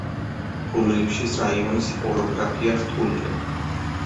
გულრიფშის რაიონის ოროგრაფია რთულია.